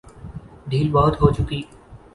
ڈھیل بہت ہو چکی۔